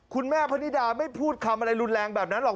คุณแม่พนิดาไม่พูดคำอะไรรุนแรงแบบนั้นหรอก